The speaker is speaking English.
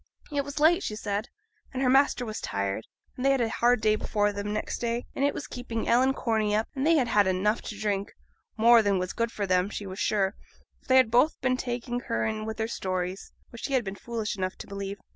It was late, she said, and her master was tired, and they had a hard day before them next day; and it was keeping Ellen Corney up; and they had had enough to drink, more than was good for them, she was sure, for they had both been taking her in with their stories, which she had been foolish enough to believe.